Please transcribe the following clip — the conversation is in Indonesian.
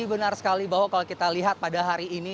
benar sekali bahwa kalau kita lihat pada hari ini